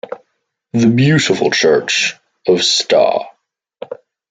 The beautiful church of Sta.